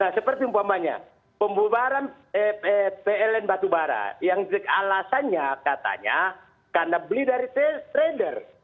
seperti umpamanya pembubaran pln batubara yang alasannya katanya karena beli dari trader